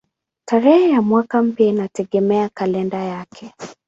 Tarehe ya mwaka mpya inategemea kalenda yake.